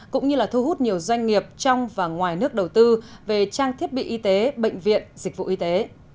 cũng như là thu hút nhiều doanh nghiệp trong và ngoài nước đầu tư về trang thiết bị y tế bệnh viện dịch vụ y tế